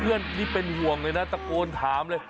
นั่นนี่เป็นห่วงเลยนะตะโกนถามเลย